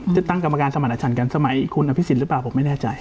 จะตั้งกรรมการสมัยอาจารย์กันสมัยคุณพิสิทธิ์หรือเปล่าผมไม่แน่ใจ